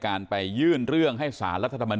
การไปยื่นเรื่องให้สารรัฐธรรมนู